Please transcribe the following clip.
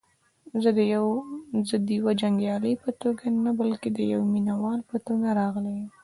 زه دیوه جنګیالي په توګه نه بلکې دیوه مینه وال په توګه راغلی یم.